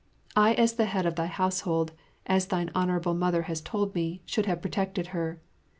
I as the head of the household, as thine Honourable Mother has told me, should have protected her.